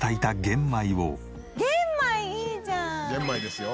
「玄米ですよ」